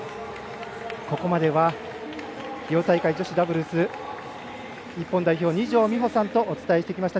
ここまではリオ大会女子ダブルス日本代表、二條実穂さんとお伝えしてきました。